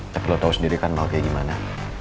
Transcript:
tapi lo tau sendiri kan mau kayak gimana